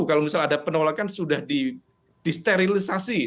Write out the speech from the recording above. kalau misalnya ada penolakan sudah disterilisasi